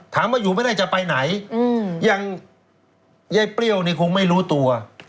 ถามว่าอยู่ไม่ได้จะไปไหนยังยายเปรี้ยวเนี่ยคงไม่รู้ตัว